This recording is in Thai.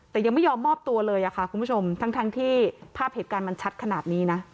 แต่ยังไม่ยอมมอบตัวเลยค่ะคุณผู้ชมทั้งที่ภาพเหตุการณ์มันชัดขนาดนี้นะ